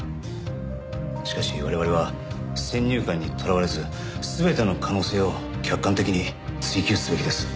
しかし我々は先入観にとらわれず全ての可能性を客観的に追究すべきです。